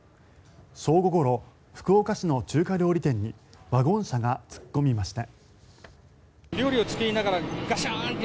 正午ごろ、福岡市の中華料理店にワゴン車が突っ込みました。